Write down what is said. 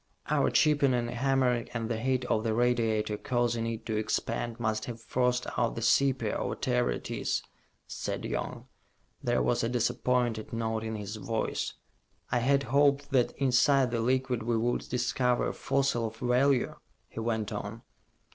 "Our chipping and hammering and the heat of the radiator causing it to expand must have forced out the sepia, or whatever it is," said Young. There was a disappointed note in his voice "I had hoped that inside the liquid we would discover a fossil of value," he went on.